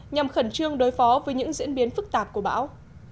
nhằm khẩn trương đối phó với những diễn biến phức tạp của bão